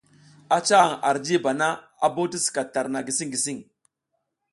A ca hang ar jiba na, a bo ti skat tarna gising gising.